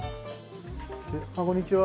あっこんにちは。